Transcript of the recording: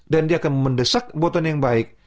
dan dia akan mendesak boton yang baik